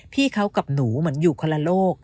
พี่เขากับหนูเหมือนอยู่คนละโลก